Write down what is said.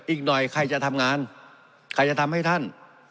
อีกหน่อยใครจะทำงานใครจะทำให้ท่าน